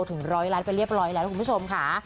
ถึงร้อยล้านไปเรียบร้อยแล้วคุณผู้ชมค่ะ